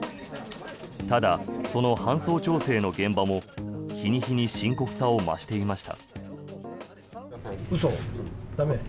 ただ、その搬送調整の現場も日に日に深刻さを増していました。